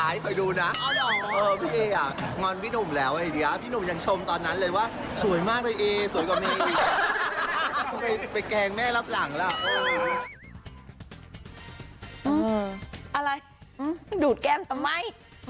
อะไรดูดแก้มทำไม